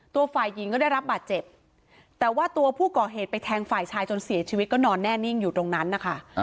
ฝ่ายหญิงก็ได้รับบาดเจ็บแต่ว่าตัวผู้ก่อเหตุไปแทงฝ่ายชายจนเสียชีวิตก็นอนแน่นิ่งอยู่ตรงนั้นนะคะ